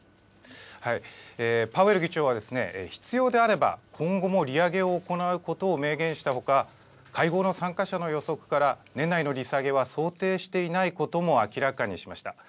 パウエル議長は、必要であれば、今後も利上げを行うことを明言したほか、会合の参加者の予測から年内の利下げは想定していないことも明らかにしました。